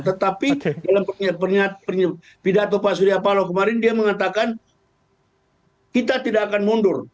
tetapi dalam pidato pak surya paloh kemarin dia mengatakan kita tidak akan mundur